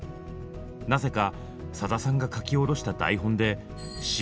なぜかさださんが書き下ろした台本で芝居を披露したそうです。